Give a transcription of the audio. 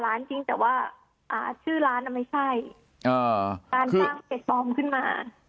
ร้านจริงแต่ว่าชื่อร้านไม่ใช่ร้านตั้งเก็บปลอมขึ้นมา